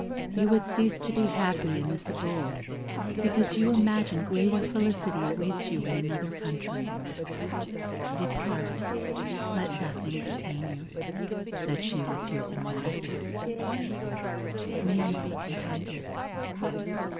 You would cease to be happy in this abode, because you imagine greater felicity awaits you in another country: depart, let nothing detain you," said she, with tears in her eyes, "may you be contented."